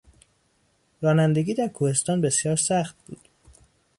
رانندگی در کوهستان بسیار سخت بود.